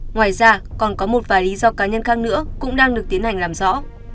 ngoài ra còn có một vài lý do cá nhân khác nữa cũng đang được tiến hành làm rõ